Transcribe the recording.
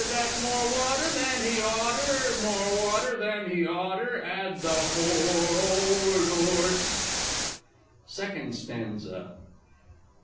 That more water than he oughter, More water than he oughter, 'Ad the poor old 'orse! _Second Stanza.